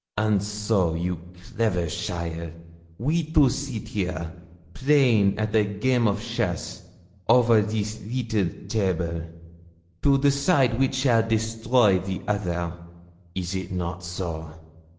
'And so, you clever cheaile, we two sit here, playing at a game of chess, over this little table, to decide which shall destroy the other is it not so?'